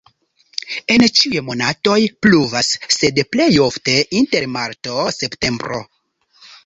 En ĉiuj monatoj pluvas, sed plej ofte inter marto-septembro.